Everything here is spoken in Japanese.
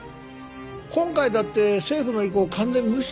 今回だって政府の意向完全無視でしょ？